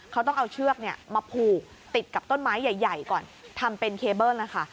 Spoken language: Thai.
เขาต้องเอาเชือกมาผูกติดกับต้นไม้ใหญ่ก่อนทำเป็นเคเบิ้ลนะคะ